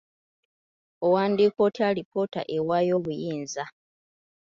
Owandiika otya alipoota ewaayo obuyinza?